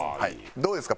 どうですか？